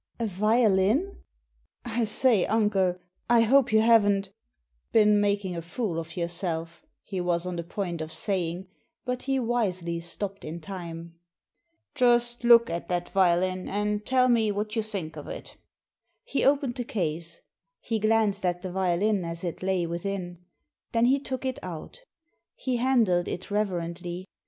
"A violin ! I say, uncle, I hope you haven't " Been making a fool of yourself," he was on the point of saying, but he wisely stopped in time. Digitized by VjOOQIC 94 THE SEEN AND THE UNSEEN •* Just look at that violin, and tell me what you think of it He opened the case. He glanced at the violin as it lay within ; then he took it out He handled it reverently.